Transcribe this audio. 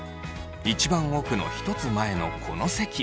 一番奥の１つ前のこの席。